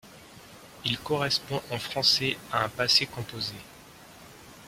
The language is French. Il correspond, en français, à un passé composé.